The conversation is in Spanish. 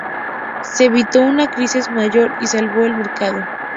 Se evitó una crisis mayor y salvo el mercado.